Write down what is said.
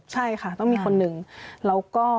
ใช่ค่ะต้องมีคนหนึ่งแล้วก็